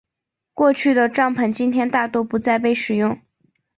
过去的帐篷今天大多不再被使用。